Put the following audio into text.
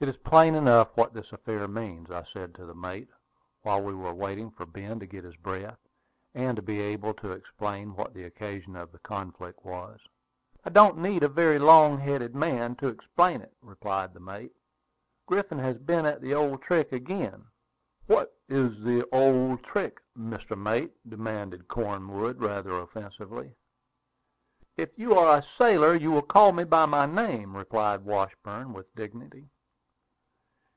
"It is plain enough what this affair means," I said to the mate, while we were waiting for Ben to get his breath, and to be able to explain what the occasion of the conflict was. "It don't need a very long headed man to explain it," replied the mate. "Griffin has been at the old trick again." "What is the old trick, Mr. Mate?" demanded Cornwood, rather offensively. "If you are a sailor, you will call me by my name," replied Washburn, with dignity.